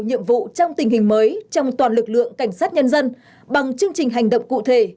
nhiệm vụ trong tình hình mới trong toàn lực lượng cảnh sát nhân dân bằng chương trình hành động cụ thể